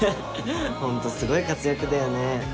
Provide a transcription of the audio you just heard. ホントすごい活躍だよね。